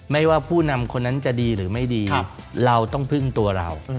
ไม่ว่าผู้นำคนนั้นจะดีหรือไม่ดีเราต้องพึ่งตัวเรา